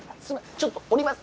ちょっと降ります。